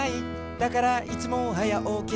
「だからいつもはやおき」